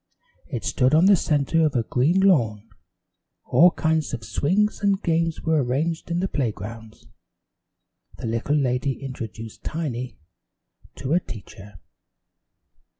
It stood on the center of a green lawn. All kinds of swings and games were arranged in the playgrounds. The little lady introduced Tiny to her teacher.